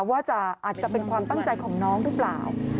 อาจจะเป็นความตั้งใจของน้องหรือเปล่า